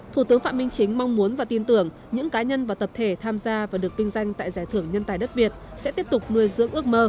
thủ tướng phạm minh chính mong muốn và tin tưởng những cá nhân và tập thể tham gia và được vinh danh tại giải thưởng nhân tài đất việt sẽ tiếp tục nuôi dưỡng ước mơ